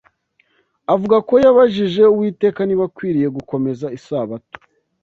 avuga ko yabajije Uwiteka niba akwiriye gukomeza Isabato